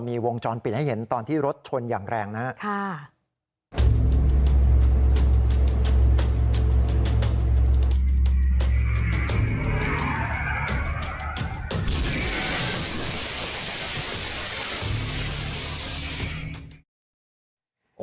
มีวงจรปิดให้เห็นตอนที่รถชนอย่างแรงนะครับ